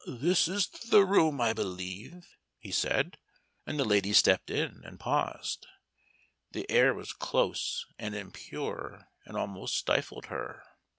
"This is the room, I believe," he said, and the lady stepped in and paused. The air was close and impure, and almost stifled her.